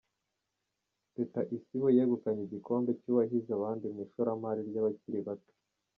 Teta Isibo yegukanye igihembo cy’uwahize abandi mu ishoramari ry’abakiri bato